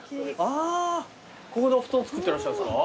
ここでお布団作ってらっしゃるんですか？